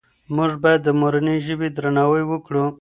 موږ باید د مورنۍ ژبې درناوی وکړو.